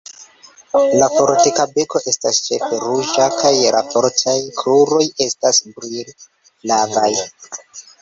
La fortika beko estas ĉefe ruĝa, kaj la fortaj kruroj estas brilflavaj.